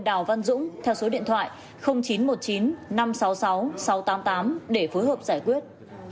đào văn dũng theo số điện thoại chín trăm một mươi chín năm trăm sáu mươi sáu sáu trăm tám mươi tám để phối hợp giải quyết